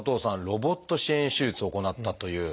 ロボット支援手術を行ったという。